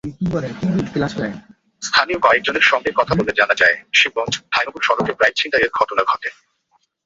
স্থানীয় কয়েকজনের সঙ্গে কথা বলে জানা যায়, শিবগঞ্জ-ধাইনগর সড়কে প্রায়ই ছিনতাইয়ের ঘটনা ঘটে।